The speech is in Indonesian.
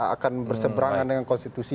akan berseberangan dengan konstitusi